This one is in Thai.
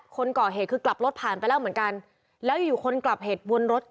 คนก่อเหตุคือกลับรถผ่านไปแล้วเหมือนกันแล้วอยู่อยู่คนกลับเหตุวนรถ